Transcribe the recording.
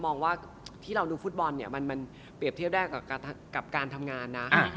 มองว่าที่เราดูฟุตบอลเนี่ยมันเปรียบเทียบได้กับการทำงานนะ